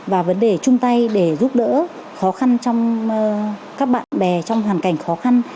và vấn đề chung tay để giúp đỡ khó khăn trong các bạn bè trong hoàn cảnh khó khăn